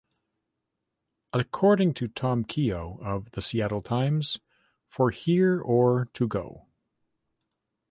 According to Tom Keogh of "The Seattle Times" ""For Here or to Go?